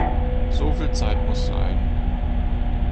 So viel Zeit muss sein!